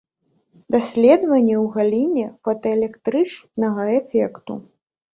Даследаванні ў галіне фотаэлектрычнага эфекту.